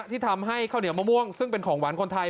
ที่ทำให้ข้าวเหนียวมะม่วงซึ่งเป็นของหวานคนไทย